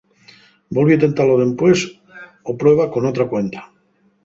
Volvi tentalo dempués o prueba con otra cuenta.